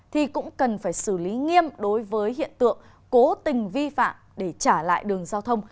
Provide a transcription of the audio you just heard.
thì cũng cần phải xử lý nghiêm đối với hiện tượng cố tình vi phạm để trả lại đường giao thông